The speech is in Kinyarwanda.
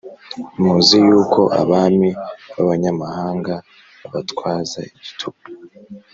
Muzi yuko abami b’abanyamahanga babatwaza igitugu